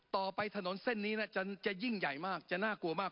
ต่อไปถนนเส้นนี้จะยิ่งใหญ่มากจะน่ากลัวมาก